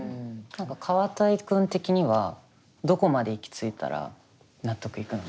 何かカワタイ君的にはどこまで行き着いたら納得いくの？